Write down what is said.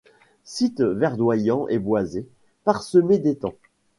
Site verdoyant et boisé, parsemé d'étangs.